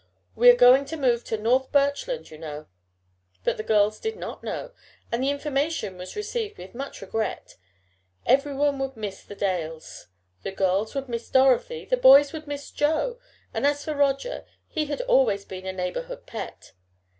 "We are going to move to North Birchland, you know." But the girls did not know, and the information was received with much regret everyone would miss the Dales. The girls would miss Dorothy, the boys would miss Joe, and as for Roger, he had always been a neighborhood pet.